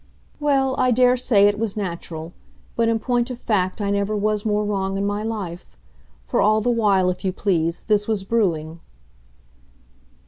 "Well, I daresay it was natural; but in point of fact I never was more wrong in my life. For, all the while, if you please, this was brewing."